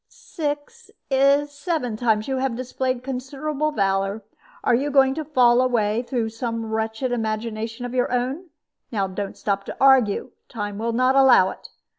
"Six, if not seven, times you have displayed considerable valor. Are you going to fall away through some wretched imagination of your own? Now don't stop to argue time will not allow it.